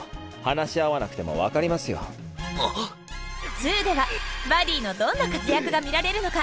「２」ではバディのどんな活躍が見られるのか。